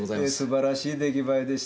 素晴らしい出来栄えでした。